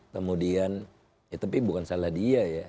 kemudian ya tapi bukan salah dia ya